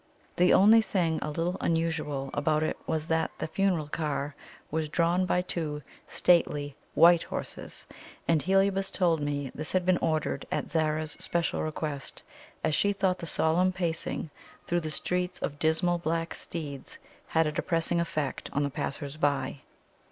The only thing a little unusual about it was that the funeral car was drawn by two stately WHITE horses; and Heliobas told me this had been ordered at Zara's special request, as she thought the solemn pacing through the streets of dismal black steeds had a depressing effect on the passers by.